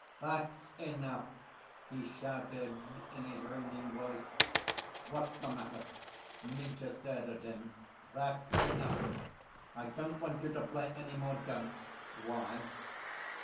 "That's enough!" he shouted in his ringing voice. "What's the matter?" Mitya stared at him. "That's enough! I don't want you to play any more. Don't!" "Why?"